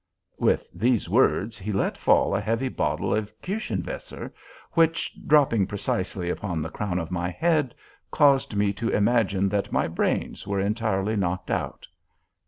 With these words he let fall a heavy bottle of Kirschenwässer, which, dropping precisely upon the crown of my head, caused me to imagine that my brains were entirely knocked out.